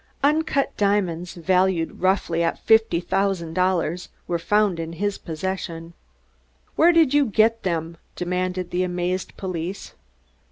Uncut diamonds, valued roughly at fifty thousand dollars, were found in his possession. "Where did you get them?" demanded the amazed police.